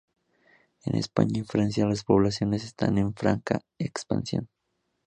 En España y Francia las poblaciones están en franca expansión.